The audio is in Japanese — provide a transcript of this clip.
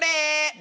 何？